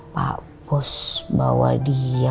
pak bos bawa dia